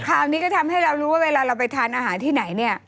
คราวนี้ก็ทำให้เรารู้ว่าเวลาเราไปทานอาหารที่ไหนเนี่ย